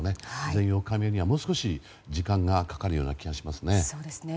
全容解明にはもう少し時間がかかるような気がしますね。